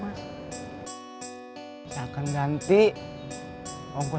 biar dia yang ngebutin pakur